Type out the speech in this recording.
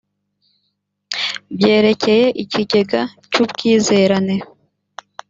byerekeye ikigega cy’ubwizerane